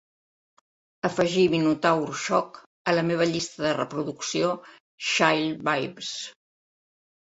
afegeix Minotaur Shock a la meva llista de reproducció Chill Vibes.